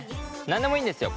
何でもいいんですよ